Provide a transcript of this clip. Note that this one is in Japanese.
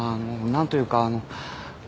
何というかあのう。